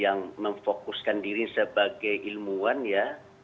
yang memfokuskan diri sebagai ilmuwan ya